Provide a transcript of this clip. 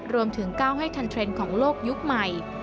รวมถึงก้าวให้ทันเทรนด์ของโลกยุคใหม่